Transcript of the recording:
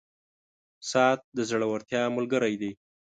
• ساعت د زړورتیا ملګری دی.